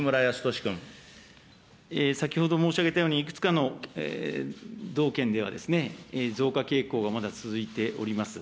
先ほど申し上げたように、いくつかの道県では、増加傾向がまだ続いております。